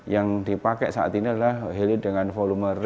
yang dipakai saat ini adalah heli dengan volume